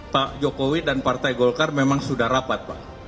pak jokowi dan partai golkar memang sudah rapat pak